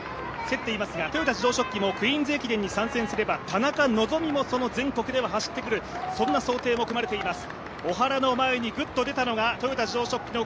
小原怜と競っていますが豊田自動織機もクイーンズ駅伝に参戦すれば田中希実も全国では走ってくるそんな想定も組まれています。